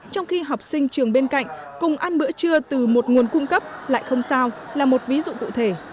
trong khi học sinh trường bên cạnh cùng ăn bữa trưa từ một nguồn cung cấp lại không sao là một ví dụ cụ thể